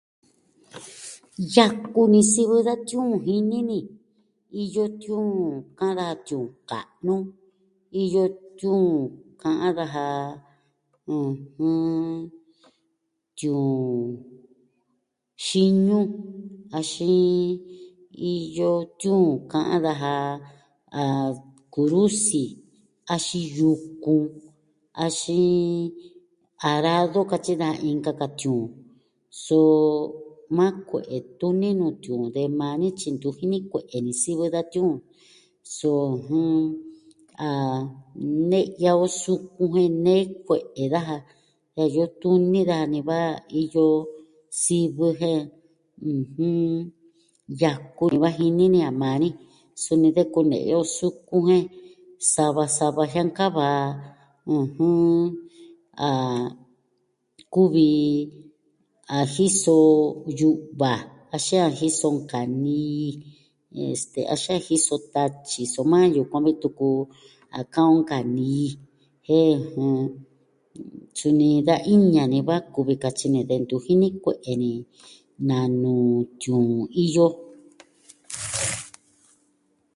Yaku ni sivɨ da tiuun jini ni. Iyo tiuun ka'an daja tiuun ka'nu, iyo tiuun ka'an daja, ɨjɨn, xinuu, axin, iyo tiuun ka'an daja a kurusi, axin yukun, axin arado katyi daja inka ka tiuun, so maa kue'e tuni nu tiuun de maa ni tyi ntu jini kue'e ni sivɨ da tiuun. So jɨn, a ne'ya on sukun jen nee kue'e daja jen iyo tuni daja ni va, iyo sivɨ jen yaku ni va jini ni a maa ni, suni de kune'ya o sukun jen, sava sava jiankava, ɨjɨn, ah... a kuvi a jiso yu'va axin a jiso nkanii, axin a jiso tatyi, soma, yukuan vi tuku, a ka'an on nkanii, jen suni da iña ni va kuvi katyi ni de ntu jini kue'e ni na nuu tiuun iyo.